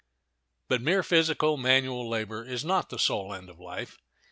But mere physical, manual labor is not the sole end of life.